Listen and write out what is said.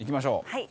はい。